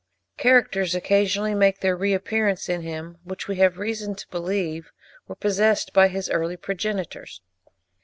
Characters occasionally make their re appearance in him, which we have reason to believe were possessed by his early progenitors.